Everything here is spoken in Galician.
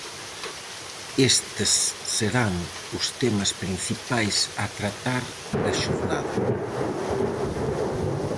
Estes serán os temas principais a tratar da xornada: